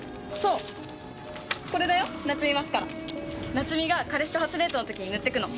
夏美が彼氏と初デートの時に塗ってくの。